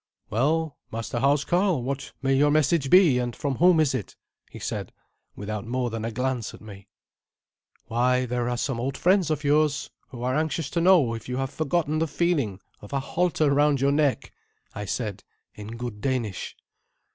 "Well, master housecarl, what may your message be, and from whom is it?" he said, without more than a glance at me. "Why, there are some old friends of yours who are anxious to know if you have forgotten the feeling of a halter round your neck," I said in good Danish.